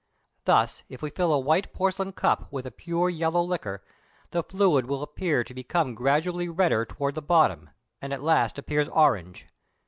Thus if we fill a white porcelain cup with a pure yellow liquor, the fluid will appear to become gradually redder towards the bottom, and at last appears orange.